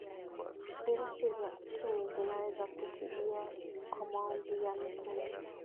virusi vya ukimwi vinaweza kutibiwa kwa maombi ya mitume